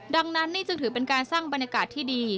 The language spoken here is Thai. ดังนั้นนี่จึงถือเป็นการสร้างบรรยากาศที่ดี